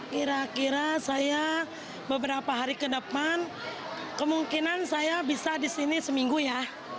kira kira saya beberapa hari ke depan kemungkinan saya bisa di sini seminggu ya